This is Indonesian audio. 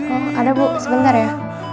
oh ada bu sebentar ya